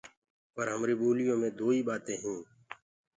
پر همري ٻوليو مي دوئي گھآݪينٚ هينٚ۔